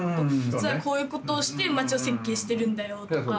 実はこういうことをして街を設計してるんだよとか。